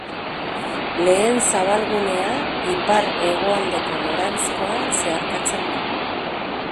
Lehen Zabalgunea ipar-hegoaldeko noranzkoan zeharkatzen du.